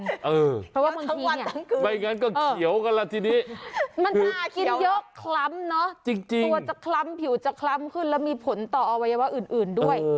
เพราะว่าบางทีไม่งั้นก็เขียวกันแล้วทีนี้มันน่ากินเยอะคล้ำเนอะตัวจะคล้ำผิวจะคล้ำขึ้นแล้วมีผลต่ออวัยวะอื่นด้วย